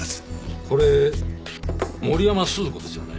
これ森山鈴子ですよね